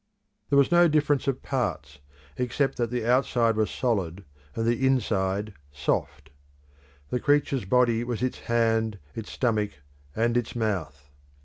There was no difference of parts, except that the outside was solid and the inside soft. The creature's body was its hand, its stomach, and its mouth.